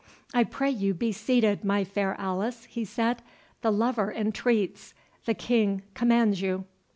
—I pray you be seated, my fair Alice," he said; "the lover entreats—the King commands you."